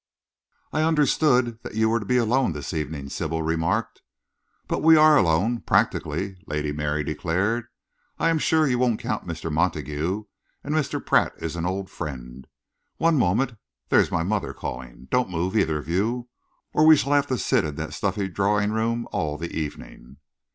"I understood that you were to be alone this evening," Sybil remarked. "But we are alone practically," Lady Mary declared. "I am sure you wouldn't count Mr. Montague, and Mr. Pratt is an old friend. One moment, there's my mother calling. Don't move, either of you, or we shall have to sit in that stuffy drawing room all the evening."